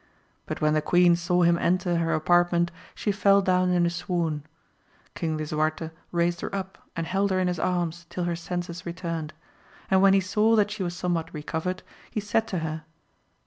But when the queen saw him enter her apartment she fell down in a swoon. King Lisuarte raised her up and held her in his arms till her senses returned; and when he saw that she was somewhat recovered, he said to her.